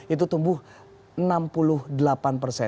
itu tumbuh enam ribu